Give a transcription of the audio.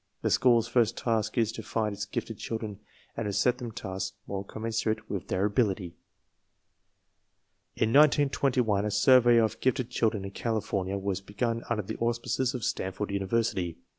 The school's first task is to find its gifted i children and to set them tasks more commensurate I with their ability. In 1921 a survey of gifted children in California was begun under the auspices of Stanford University.